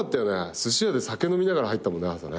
すし屋で酒飲みながら入ったもんね朝ね。